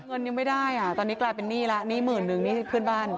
เงินยังไม่ได้อ่ะตอนนี้กลายเป็นหนี้แล้วหนี้หมื่นนึงนี่เพื่อนบ้าน